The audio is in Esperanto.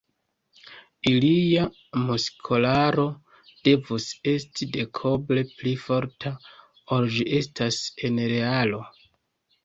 Ilia muskolaro devus esti dekoble pli forta, ol ĝi estas en realo.